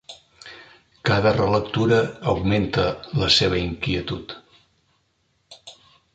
Cada relectura augmenta la seva inquietud.